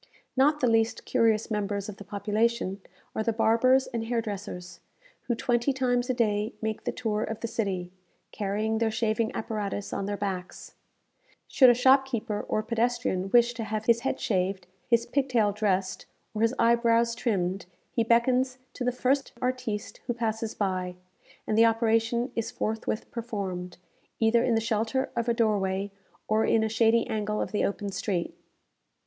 Not the least curious members of the population are the barbers and hair dressers, who twenty times a day make the tour of the city, carrying their shaving apparatus on their backs. Should a shopkeeper or pedestrian wish to have his head shaved, his pig tail dressed, or his eyebrows trimmed, he beckons to the first artiste who passes by, and the operation is forthwith performed, either in the shelter of a doorway, or in a shady angle of the open street.